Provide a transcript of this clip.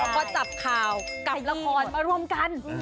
พอจับข่าวกับละครมารวมกัน